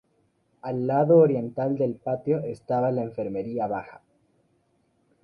Al lado oriental del patio estaba la enfermería baja.